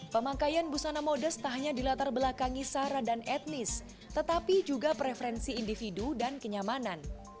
pemakaian busana modus tak hanya di latar belakang isara dan etnis tetapi juga preferensi individu dan kenyamanan